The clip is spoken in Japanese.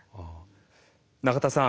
永田さん